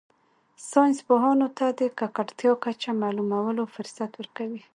ساینس پوهانو ته د ککړتیا کچه معلومولو فرصت ورکوي